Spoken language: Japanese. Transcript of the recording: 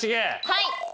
はい！